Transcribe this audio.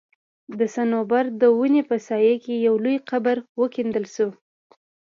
د صنوبر د وني په سايه کي يو لوى قبر وکيندل سو